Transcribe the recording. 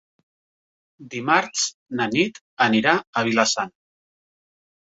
Dimarts na Nit anirà a Vila-sana.